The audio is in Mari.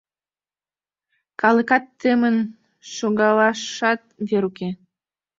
Калыкат темын, шогалашат вер уке.